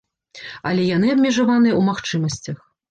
Але яны абмежаваныя ў магчымасцях.